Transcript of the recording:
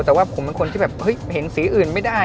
แต่ว่าผมเป็นคนที่เห็นสีอื่นไม่ได้